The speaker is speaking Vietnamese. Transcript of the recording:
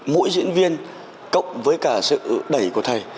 mỗi diễn viên cộng với cả sự đẩy của thầy